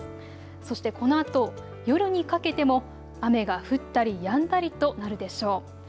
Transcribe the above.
そして、このあと夜にかけても雨が降ったりやんだりとなるでしょう。